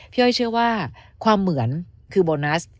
อ้อยเชื่อว่าความเหมือนคือโบนัส